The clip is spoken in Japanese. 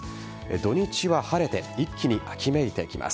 土日は晴れて一気に秋めいてきます。